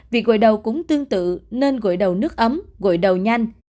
việc gội đầu cũng tương tự nên gội đầu nước ấm gội đầu nhanh